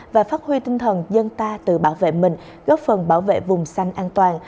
và phát huy tinh thần dân ta tự bảo vệ mình góp phần bảo vệ vùng xanh an toàn